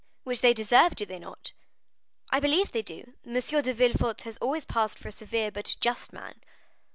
"Which they deserve, do they not?" "I believe they do. M. de Villefort has always passed for a severe but a just man."